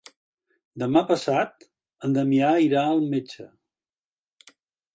Demà passat en Damià irà al metge.